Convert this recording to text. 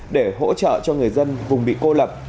để hỗ trợ cho người dân vùng bị cô lập